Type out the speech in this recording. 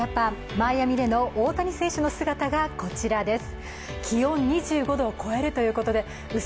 マイアミでの大谷選手の姿がこちらです。